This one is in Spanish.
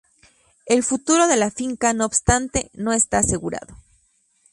El futuro de la finca, no obstante, no está asegurado.